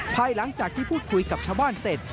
ภายหลังจากที่พูดคุยกับชาวบ้านเสร็จ